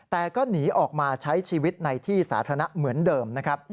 แต่ก็หนีออกมาใช้ชีวิตในที่สาธารณะเหมือนเดิมนะครับ